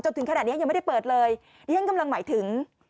ถึงขนาดนี้ยังไม่ได้เปิดเลยนี่ฉันกำลังหมายถึง